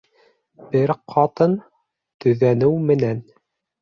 Бер ҡатын төҙәнеү менән.